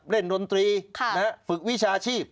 ดนตรีฝึกวิชาชีพ